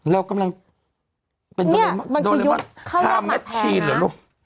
เรากำลังเนี่ยมันคือยุคค่าแมทชีนเหรอลูก